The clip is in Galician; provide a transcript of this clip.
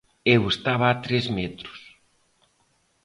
Eu estaba a tres metros.